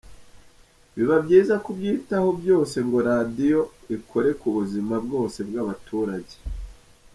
Biba byiza kubyitaho byose ngo radiyo ikore ku buzima bwose bw’abaturage’.